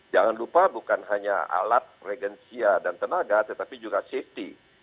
jangan lupa bukan hanya alat regensia dan tenaga tetapi juga safety